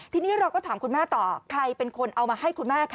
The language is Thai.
ทีนี้เราก็ถามคุณแม่ต่อใครเป็นคนเอามาให้คุณแม่คะ